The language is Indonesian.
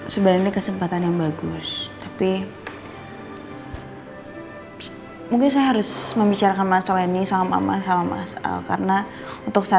sebenarnya kesempatan ini tidak terlalu baik untuk saya